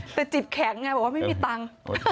แต่จิตแข็งไงบอกว่าไม่มีตังค์